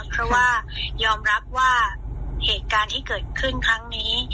เพราะว่ายอมรับว่าเหตุการณ์ที่เกิดขึ้นครั้งนี้